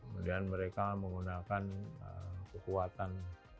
kemudian mereka menggunakan kekuatan